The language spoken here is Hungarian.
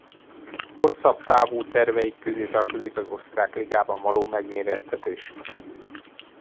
Hosszabb távú terveik közé tartozik az osztrák ligában való megmérettetés.